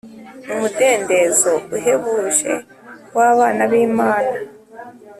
umudendezo uhebuje w abana b Imana